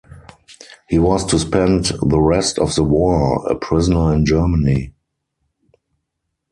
He was to spend the rest of the war a prisoner in Germany.